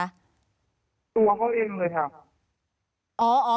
ตัวเขาเองเลยครับ